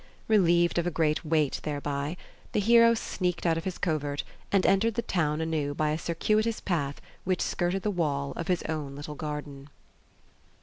Relieved of a great weight thereby, the hero sneaked out of his covert, and entered the town anew by a circuitous path which skirted the wall of his own little garden.